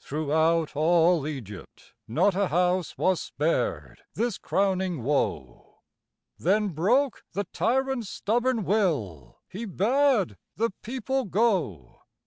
Throughout all Egypt, not a house Was spared this crowning woe. Then broke the tyrant's stubborn will; He bade the people go.